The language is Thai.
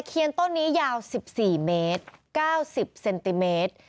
ตะเคียนต้นนี้ยาวสิบสี่เมตรเก้าสิบเซนติเมตร